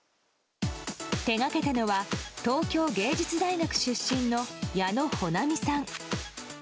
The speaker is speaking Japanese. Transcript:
手がけたのは東京藝術大学出身の矢野ほなみさん。